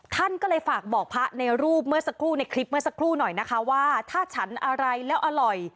ท่านก็เลยฝากบอกพระในรูปเมื่อสักครู่ในคลิปเมื่อสักครู่หน่อยนะคะว่าถ้าฉันอะไรแล้วอร่อย